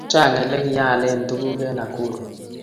Chang ele kiyaklen tukul en Nakuru